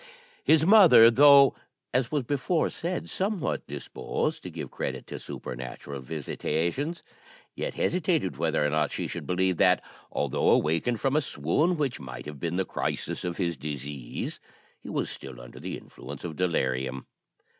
His mother, though, as was before said, somewhat disposed to give credit to supernatural visitations, yet hesitated whether or not she should believe that, although awakened from a swoon which might have been the crisis of his disease, he was still under the influence of delirium.